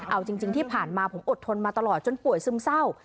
เอาจริงที่ผ่านมาผมอดทนมาตลอดจนป่วยซึมเศร้า